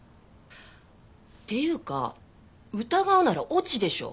っていうか疑うなら越智でしょ。